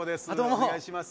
お願いします。